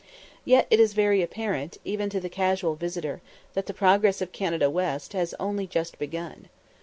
Yet it is very apparent, even to the casual visitor, that the progress of Canada West has only just begun.